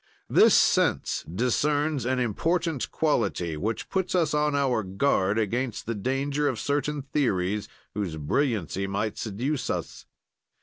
"This sense discerns an important quality, which puts us on our guard against the danger of certain theories, whose brilliancy might seduce us.